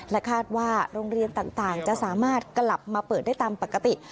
คาดว่าโรงเรียนต่างจะสามารถกลับมาเปิดได้ตามปกติ